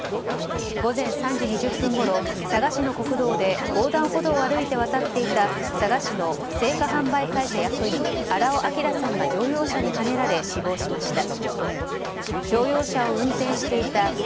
午前３時２０分ごろ佐賀市の国道で横断歩道を歩いて渡っていた佐賀市の生花販売会社役員荒尾彰さんが乗用車にはねられ死亡しました。